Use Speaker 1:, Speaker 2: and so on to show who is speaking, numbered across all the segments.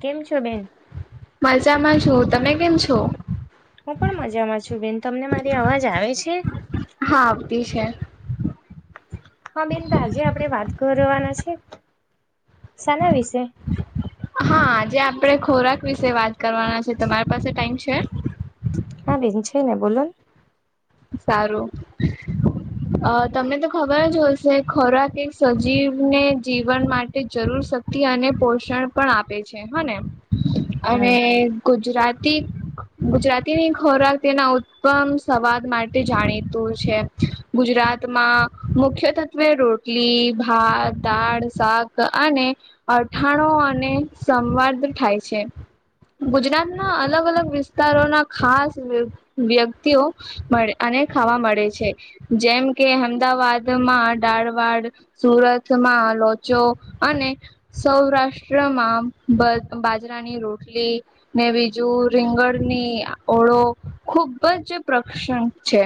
Speaker 1: કેમ છો, બેન?
Speaker 2: મજામાં છુ, તમે કેમ છો?
Speaker 1: હું પણ મજામાં છું, બેન. તમને મારી અવાજ આવે છે?
Speaker 2: હા, આવતી છે.
Speaker 1: હા બેન, તો આજે આપણે વાત કરવાના છે, શાના વિશે.
Speaker 2: હા, આજે આપડે ખોરાક વિશે વાત કરવાના છે. તમારી પાસે ટાઈમ છે?
Speaker 1: હા, બેન, છે ને. બોલો ને.
Speaker 2: સારું. અ તમને તો ખબર જ હોશે ખોરાક એક સજીવને જીવન માટે જરૂર શાક તિ અને પોષણ પણ આપે છે, હ ને. અને
Speaker 1: હમ
Speaker 2: ગુજરાતી ગુજરાતીની ખોરાક તેના ઉત્તમ સવાદ માટે જાણીતું છે. ગુજરાતમાં મુખ્ય તત્વે રો રોટલી, ભાત, દાળ, શાક અને અથાણો અને સંવાદ થાય છે. ગુજરાતના અલગ અલગ વિસ્તારોના ખાસ વ્યક્તિઓ મળે અને ખાવા મળે છે, જેમ કે અમદાવાદમાં ડાળવાડ સુરતમાં લોચો અને સૌરાષ્ટ્રમાં બાજરાની રોટલી ને બીજું રીંગણની ઓળો ખુબ જ પ્રખ્યાત છે.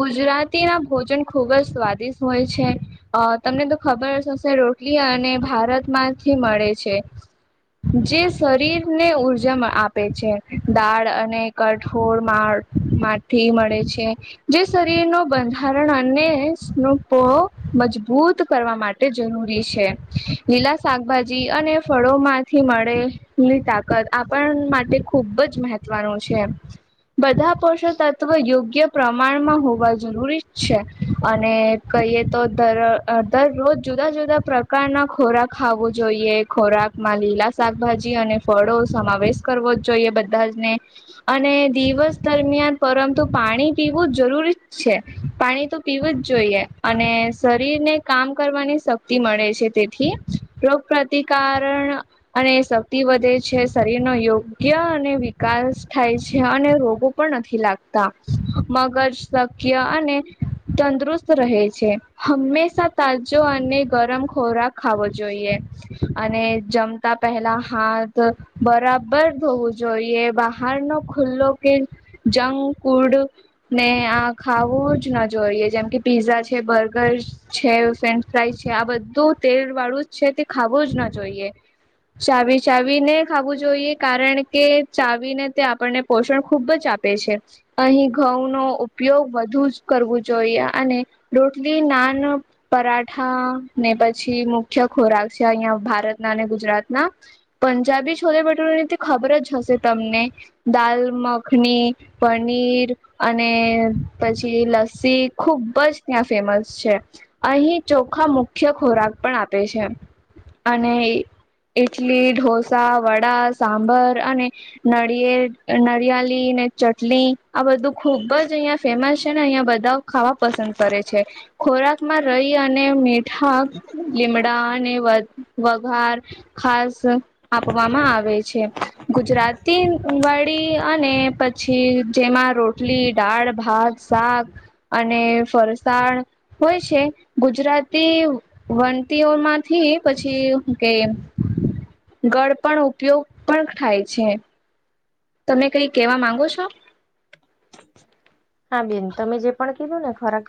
Speaker 2: ગુજરાતી ના ભોજન ખુબ જ સ્વાદિષ્ટ હોય છે. અ, તમને તો ખબર હશે, રોટલી અને ભારતમાંથી મળે છે. જે શરીરને ઉર્જા આપે છે, દાળ અને કઠોળ મા. માથી મળે છે. જે શરીર નું બંધારણ અને મજબૂત કરવા માટે. જરૂરી છે. લીલા શાકભાજી અને ફળો માંથી મળે. ની તાકાત આપણ માટે ખૂબ જ મહત્વનું છે, બધા પોષક તત્વ યોગ્ય પ્રમાણમાં હોવા જરૂરી છે, અને કહીએ તો, દર દરરોજ જુદા જુદા પ્રકારના ખોરાક ખાવું જોઈએ. ખોરાક માં લીલા શાકભાજી અને ફળો સમાવેશ કરવો જ જોઈએ, બધા જ ને. અને દિવસ દરમિયાન, પરંતુ પાણી પીવું જરૂરી છે. પાણી તો પીવું જ જોઈએ. અને શરીર ને કામ કરવાની શક્તિ મળે છે, તેથી રોગ પ્રતિકારક અને શક્તિ વધે છે, શરીર નો યોગ્ય અને વિકાસ થાય છે અને રોગો પણ નથી લાગતા, મગજ શક્ય અને તંદુરસ્ત રહે છે. હંમેશા તાજો અને ગરમ ખોરાક ખાવો જોઈએ. અને જમતા પહેલા હાથ બરાબર હોવુ જોઈએ, બહાર ન ખુલ્લો કે જંક ફડ ને આ ખાવું જ ન જોઈએ જેમ કે પીઝા છે બર્ગર છે, ફન્ થાય છે, આ બધું તેલ વાળું જ છે. તે ખાવું જ ના જોઈએ. ચાવી ચાવી ને ખાવું જોઈએ, કારણ કે ચાવીને તે આપણને પોષણ ખુબ જ આપે છે. અહી ઘઉં નો ઉપયોગ વધુ જ કરવો જોઈએ, અને રોટલી ના પરાઠા ને પછી મુખ્ય ખોરાક છે, અહિયાં ભારતના અને ગુજરાતના પંજાબી છોલે ભટૂરો ની તો ખબર જ હશે તમને, દાલ મખની. પનીર અને પછી લસ્સી ખુબ જ ત્યાં ફેમસ છે. અહી ચોખા મુખ્ય ખોરાક પણ આપે છે, અને ઈટલી ઢોસા, વડા સાંભર અને નળિયે નડિયાળ લી ને ચટણી આ બધું ખુબ જ અહિયાં ફેમસ છે ને અહિયાં બધા ખાવા પસંદ કરે છે. ખોરાકમા રહી, અને મીઠા લીમડાને વઘાર ખાસ આપવામાં આવે છે, ગુજરાતી વાળી પછી જેમાં રોટલી દાળ ભાત શાક અને ફરસાણ હોય છે, ગુજરાતી વણતીઓ માંથી પછી કે ગળ પણ ઉપયોગ પણ થાય છે. તમે કઈ કેવા માંગો છો.
Speaker 1: છેઠ હા બેન તમે જે પણ કીધું ને ખોરાક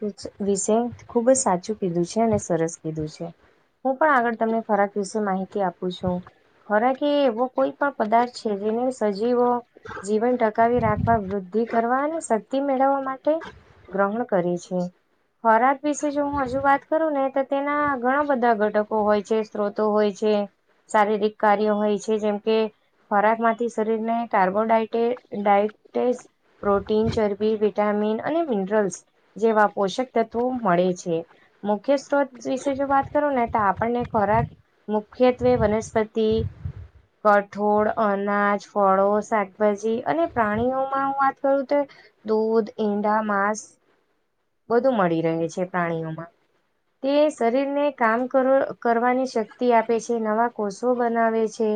Speaker 1: વિશે ખુબ જ સાચું કીધું છે, અને સરસ કીધું છે હું પણ આગળ તમને ખોરાક વિશે માહિતી આપું છુ. હરાકે એવો કોઈ પણ પદાર્થ છે, જેને સજીવો જીવન ટકાવી રાખવા વૃદ્ધિ કરવાની શક્તિ મેળવવા માટે ગ્રહણ કરી છે. ખોરાક વિશે જો હું હજુ વાત કરું ને તો તેના ઘણા બધા ઘટકો હોય છે, સ્ત્રોતો હોય છે. શારીરિક કાર્યો હોય છે. જેમ કે ખોરાકમાંથી શરીરને કાર્બોડાયટે ડાયટેસ પ્રોટીન, ચરબી, વિટામીન અને મિનરલ્સ જેવા પોષક તત્વો મળે છે. મુખ્ય સ્ત્રોત વિશે જો વાત કરું ને તો આપણને ખોરાક મુખ્યત્વે વનસ્પતિ કઠોળ, અનાજ, ફળો, શાકભાજી અને પ્રાણીઓમાં હુ વાત કરું તો દૂધ, ઈંડા, માંસ બધું મળી રહે છે. પ્રાણીઓમાં તે શરીરને કામ કરો કરવાની શક્તિ આપે છે. નવા કોષો બનાવે છે.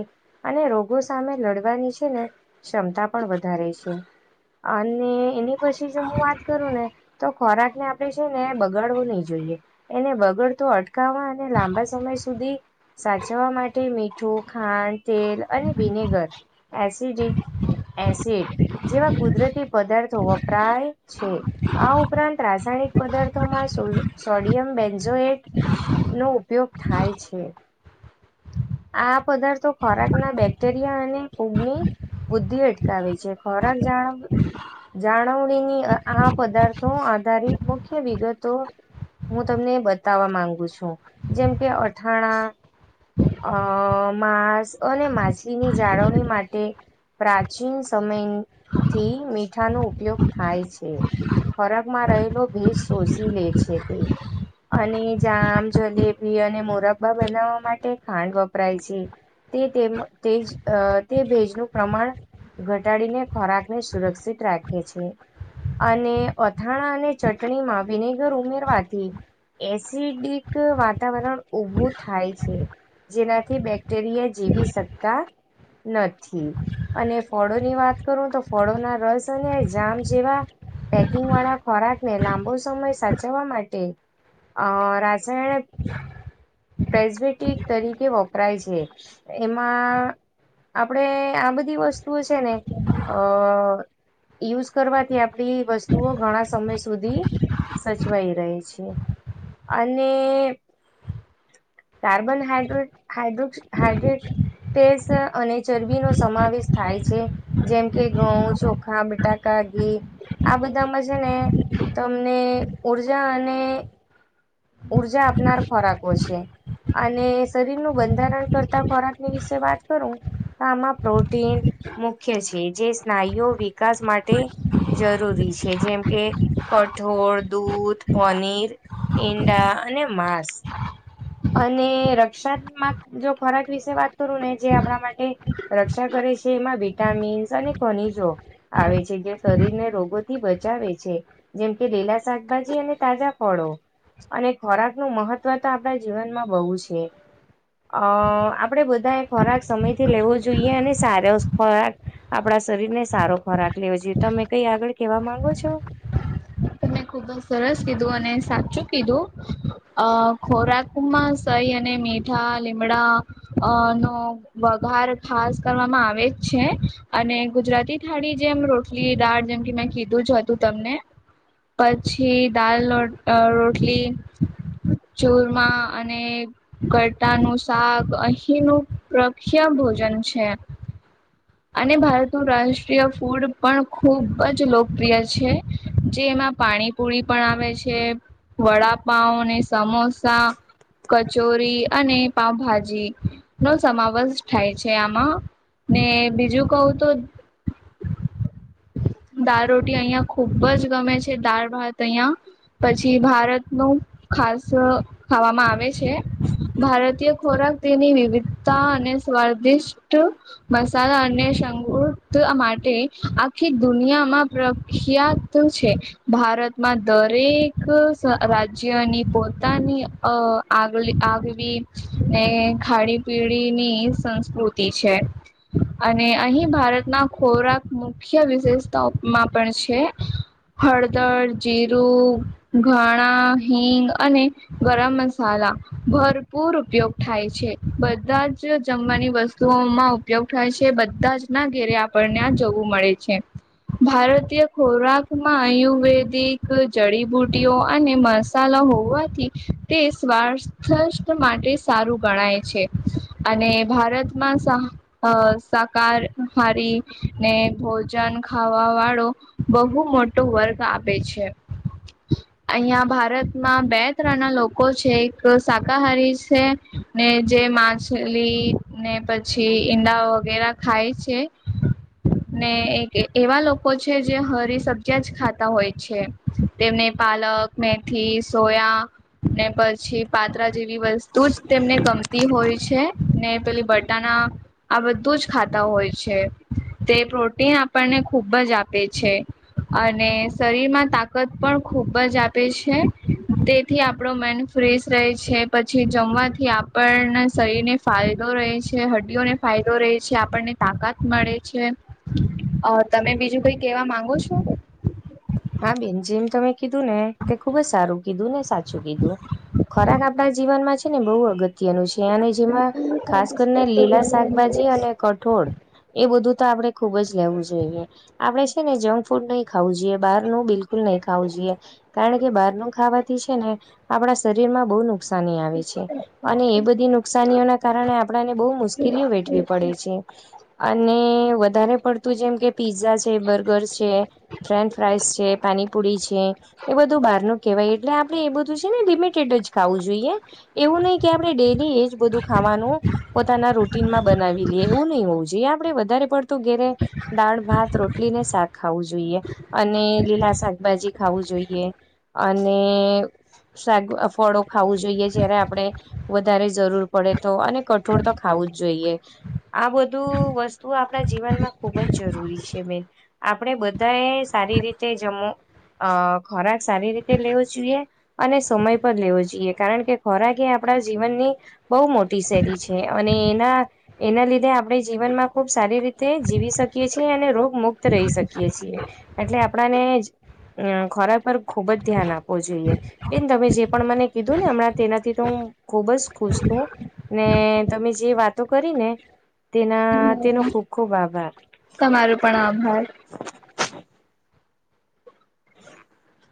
Speaker 1: અને રોગો સામે લડવાની છે ને ક્ષમતા પણ વધારે છે. અને એની પછી જે હું વાત કરુ ને તો ખોરાક ને આપડે છે ને બગાડવું નઇ જોઈએ. એને બગડતો અટકાવવા અને લાંબા સમય સુધી સાચવવા માટે મીઠું, ખાંડ, તેલ અને વિનેગર એસિડ જે એસિડ જેવા કુદરતી પદાર્થો વપરાય છે. આ ઉપરાંત રાસાયણિક પદાર્થોમાં સોડ-સોડિયમ બેન્ઝોએટ નો ઉપયોગ થાય છે. આ પદાર્થો ખોરાકના બેક્ટેરિયા અને ફૂગની બુદ્ધિ અટકાવે છે. ખોરાક જાણ જાળવણીની આ પદાર્થો આધારિત મુખ્ય વિગતો હું તમને બતાવવા માંગુ છું. જેમ કે અથાણા અ માંસ અને માછલીની જાળવણી માટે પ્રાચીન સમયથી મીઠાનો ઉપયોગ થાય છે. ખોરાકમાં રહેલો ભેજ શોષી લે છે, તે અને જામ, જલેબી અને મોરબ્બા બનાવવા માટે ખાંડ વપરાય છે. તે તેમ તેજ તે ભેજનું પ્રમાણ ઘટાડીને ખોરાકને સુરક્ષિત રાખે છે. અને અથાણા અને ચટણીમાં વિનેગર ઉમેરવાથી એસિડિક વાતાવરણ ઉભું થાય છે. જેનાથી બેક્ટેરિયા જેવી સત્તા નથી અને ફળોની વાત કરું તો ફળોના રસ અને જામ જેવા પેકિંગ વાળા ખોરાકને લાંબો સમય સાચવા માટે અ રાજાયણ, પ્રઝવીટીક તરીકે વપરાય છે. એમાં આપણે આ બધી વસ્તુઓ છેને, અ યુઝ કરવાથી આપડી વસ્તુઓ ઘણા સમય સુધી સચવાઈ રહે છે, અને કાર્બન હાડ્ર્રે હાડ્રોક્ હાઇડ્રેટ ટેસ્ટ અને ચરબી નો સમાવેશ થાય છે. જેમ કે ઘઉં, ચોખા ટાકા ઘી આ બધામાં છેને, તમને ઉર્જા અને ઉર્જા આપનાર ખોરાકો છે. અને શરીરનું બંધારણ કરતા ખોરાકની વિશે વાત કરું તો આમા પ્રોટીન મુખ્ય છે. જે સ્નાયુઓ વિકાસ માટે જરૂરી છે. જેમ કે કઠોળ, દૂધ, પનીર ઈંડા અને માંસ અને રક્ષાત્મક જો ખોરાક વિશે વાત કરું ને જે આપણા માટે રક્ષા કરે છે. એમાં વિટામિન્સ અને ખનીજો આવે છે જે શરીરને રોગોથી બચાવે છે. જેમ કે લેલા શાકભાજી અને તાજા ફળો અને ખોરાકનુ મહત્વ તો આપણા જીવનમાં બહુ છે, અ આપડણે બધા ખોરાક સમયથી લેવો જોઈએ અને સાર ખોરાક આપડા શરીર ને સારો ખોરાક લેવો જોઈએ તમે કઈ આગળ કેવા માંગો છો.
Speaker 2: ખુબ જ સરસ કીધું અને સાચું કીધું અ ખોરાક ઉમ્મા સહી અને મીઠા લીમડા અ નો વઘાર ખાસ કરવામાં આવે જ છે અને ગુજરાતી થાળડી જેમ રોટલી દાળ જેમ કે મેં કીધું જ હતું તમને પછી દાલ રોટલી ચોરમાં અને કરટા નું શાક અહીં ન પ્રખ્યા ભોજન છે. અને ભારતનું રાષ્ટ્રીય ફૂડ પણ ખૂબ જ લોકપ્રિય છે, જે એમાં પાણી પુરી પણ આવે છે, વડાપાવ અનેને સમોસા કચોરી અને પાઉભાજી નો સમાવેશ થાય છે આમાં ને બીજું કહું તો દાળ રોટી અહિયાં ખુબ જ ગમે છે દાળ ભાત અહિયા પછી ભારત નું ખાસ ખાવામાં આવે છે. ભારતીય ખોરાક તેની વિવિધતા અને સ્વાદિષ્ટ મસાલા અને શંગુત માટે આખી દુનિયામાં પ્રખ્યાત છે. ભારતમાં દરેક રાજ્યની પોતાની અ આગલી આગવી ખાડી પીડીી ની સંસ્કૃતિ છે. અને અહી ભારતના ખોરાક મુખ્ય વિ [unintelligible] સપમાં પણ છે. હળદર જીરું ઘણા હિંગ અને ગરમ મસાલા ભરપૂર ઉપયોગ થાય છે બધા જ જમવાની વસ્ વસ્તુઓમાં ઉપયોગ થાય છે બધા ના ઘેરે આપણને આ જોવું મળે છે. ભારતીય ખોરાક માં આયુર્વેદિક જડીબુટીઓ અને મસાલા હોવાથી તે સ્વાથ માટે સારું ગણાય છે. અને ભારતમા અ સાકાર હારી ને ભોજ જાન ખાવા વાળો બહુ મોટો વર્ગ આપે છે. અહિયાં ભારતમાં બે ત્રણ ના લોકો છે એક શાકાહારી છે. ને જે માછલી ને પછી ઈંડા વગેરે ખાય છે. ને એક કે એવા લોકો છે જે હરી સબ્જિયા જ ખાતા હોય છે, તેમને પાલક મેથી સોયા. ને પછી પાત્રા જેવી વસ્તુ જ તેમને ગમતી હોય છે ને પેલી બટાણા આ બધું જ ખાતા હોય છે તે પ્રોટીન આપણને ખૂબ જ આપે છે અને શરીરમાં તાકાત પણ ખુબ જ આપે છે. તેથી આપણો માઇન્ડ ફ્રેશ રહે છે પછી જમવાથી આપણના શરીરને ફાયદો રહે છે હડ્ડીઓને ફાયદો રહે છે આપણને તાકાત મળે છે. તમે બીજું કઈ કેવા માંગો છો?
Speaker 1: હા બેન જેમ તમે કીધું ને તે ખુબ જ સારું કીધું ને સાચું કીધું ખોરાક આપડા જીવનમાં છે ને બહ અગત્ ન છે જેમાં ખાસ
Speaker 2: ડિસ્કસ
Speaker 1: કરીને લીલા શાકભાજી
Speaker 2: કર્યા
Speaker 1: અને કઠોળ એ બધું તો આપે ખુબ જ લેવું જોઈએ આપડે છે ને જઉં ફૂડ ન ખાવું જોઈ બારું બિલકુલ નહીં ખાવું જોઈએ. કારણ કે બહારનું ખાવાથી છે ને આપણા શરીર માં બો નુકસાની આવે છે. અને એ બધી નુકસાનીઓના કારણે આપણાને બો મુશ્કેલીઓ વેઠવી પડે છે. અને વધારે પડતું જેમ કે પીઝા છે બર્ગર છે. ફ્રેન્ચ ફ્રાઈસ છે પાનીપુરી છે એ બધું બહાર નુ કેહેવાય એટલે આપ ને એ બધું છે ને લિમિટેડ જ ખાવું જોઈએ એવું નઈ કે આપણે ડેલી એજ બધું ખાવાનું પોતાના રૂટીનમાં બનાવી લીઈએ એવું નઈ હોવું જોઈએ વધારે પડ તો ઘેરે દાળ ભાત રોટલી ને શાક ખાવું જોઈએ અને લીલા શાકભાજી ખાવું જોઈએ અને શાગ ફળો ખાવું જોઈએ જયારે આપણે વધારે જરૂર પડે તો અને કઠોર તો ખાવું જ જોઈએ આ બધું વસ્તુ આપણા જીવનમાં ખુબ જ જરૂરી છે ને આપણે બધા એ સારી રીતે આ ખોરાક સારી રીતે લેવો જોઈએ અને સમય પર લેવો જોઈએ કારણ કે ખોરાક એ આપણા જીવનની બો મોટી સૈલી છે અને એના એના લીધે આપણે જીવનમાં ખુબ સારી રીતે જીવી શકીએ છીએ અને રોગ મુ [unintelligible] શકીએ છીએ એટલે આપણાને અ ખોરાક પર ખુબ જ ધ્યાન આપવો જોઈએ બેન તમે જે પણ મને કીધું ને હમણાં તેનાથી તો હું ખુબ જ ખુશ છું. ને તમે જે વાતો કરી ને તેના તેનો ખુબ ખુબ આભાર.
Speaker 2: તમારૂ પણ આભાર.
Speaker 1: [inaudible]